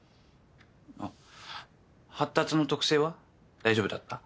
あっ発達の特性は大丈夫だった？